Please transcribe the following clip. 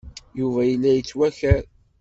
Yuba yella yettwakar.